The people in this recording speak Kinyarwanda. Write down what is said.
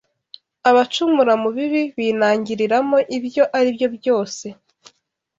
abacumura mu bibi binangiriramo ibyo ari byo byose